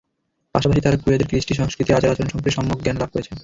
পাশাপাশি তাঁরা কুয়েতের কৃষ্টি, সংস্কৃতি, আচার আচরণ সম্পর্কে সম্যক জ্ঞান লাভ করছেন।